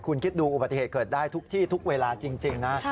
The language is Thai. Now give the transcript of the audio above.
คุณคิดดูอุบัติเหตุเกิดได้ทุกที่ทุกเวลาจริงนะ